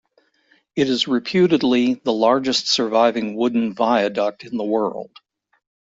It is reputedly the largest surviving wooden viaduct in the world.